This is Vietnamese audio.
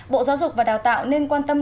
bộ giáo dục và đào tạo nên quan tâm